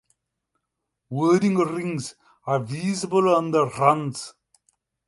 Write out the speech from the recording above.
Wedding rings are visible on their hands.